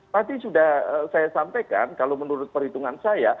tadi sudah saya sampaikan kalau menurut perhitungan saya